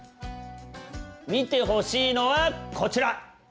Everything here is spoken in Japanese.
見てほしいのはこちら！